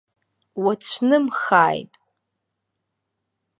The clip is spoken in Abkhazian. Уацәнымхааит!